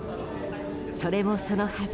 それもそのはず